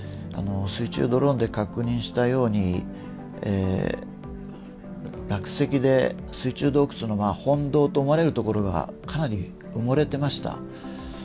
水中ドローンで確認したように、落石で水中洞窟の本道と思われる所がかなり埋もれてました。